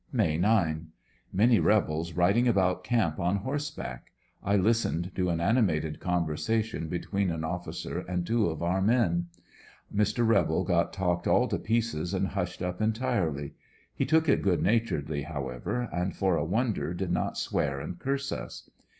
May 9. — Many rebels riding about camp on horseback. I listened to an animated conversation between mn oflicer and two of our men. Mr. Rebel got talked all to pieces and hushed up entirely. He took it good naturedly, however, and for a wonder did not swear and curse us.